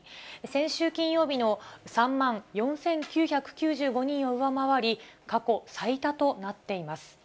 先週金曜日の３万４９９５人を上回り、過去最多となっています。